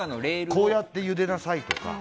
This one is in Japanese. こうやってゆでなさいとか。